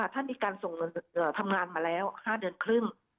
ท่านมีการส่งเงินทำงานมาแล้ว๕เดือนครึ่ง